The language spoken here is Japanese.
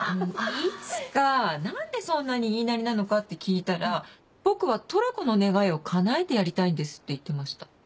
いつか何でそんなに言いなりなのかって聞いたら「僕はトラコの願いをかなえてやりたいんです」って言ってました。